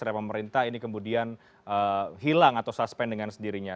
karena pemerintah ini kemudian hilang atau suspend dengan sendirinya